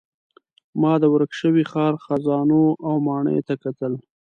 ما د ورک شوي ښار خزانو او ماڼیو ته کتل.